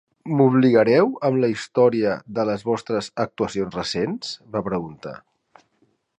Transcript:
"M'obligareu amb la història de les vostres actuacions recents?", va preguntar.